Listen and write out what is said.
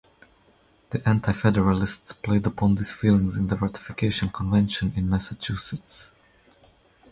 The Anti-Federalists played upon these feelings in the ratification convention in Massachusetts.